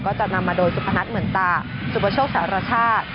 ก็จะนำมาโดยสุพนัทเหมือนตาสุปโชคสารชาติ